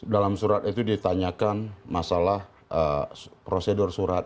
dalam surat itu ditanyakan masalah prosedur surat